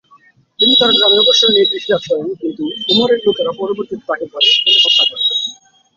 তিনি তার গ্রামে অবসর নিয়ে কৃষিকাজ করেন, কিন্তু ওমরের লোকেরা পরবর্তীতে তাকে ধরে ফেলে হত্যা করে।